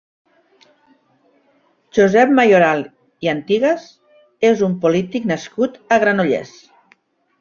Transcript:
Josep Mayoral i Antigas és un polític nascut a Granollers.